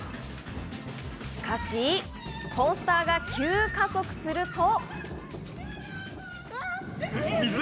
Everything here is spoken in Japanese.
しかし、コースターが急加速すると。